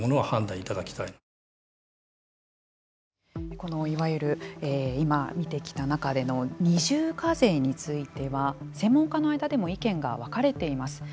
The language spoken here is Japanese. この、いわゆる今、見てきた中での二重課税については専門家の間でも意見が分かれています。